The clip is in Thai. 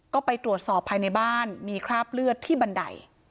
ก็ไปตรวจสอบภายในบ้านมีคราบเลือดที่บันได